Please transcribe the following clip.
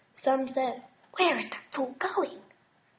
Some said, "Where is that fool going?